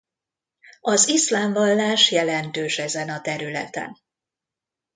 Az iszlám vallás jelentős ezen a területen.